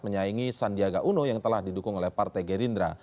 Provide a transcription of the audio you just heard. menyaingi sandiaga uno yang telah didukung oleh partai gerindra